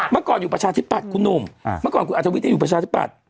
เมื่อก่อนอยู่ประชาธิปัตย์คุณหนุ่มเมื่อก่อนคุณอัธวิทย์อยู่ประชาธิปัตย